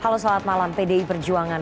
halo selamat malam pdi perjuangan